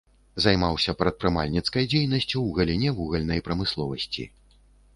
Займаўся прадпрымальніцкай дзейнасцю ў галіне вугальнай прамысловасці.